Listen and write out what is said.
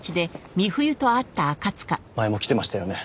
前も来てましたよね？